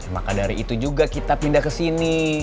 maka dari itu juga kita pindah ke sini